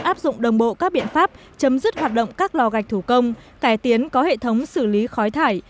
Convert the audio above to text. áp dụng đồng bộ các biện pháp chấm dứt hoạt động các lò gạch thủ công cải tiến có hệ thống xử lý khói thải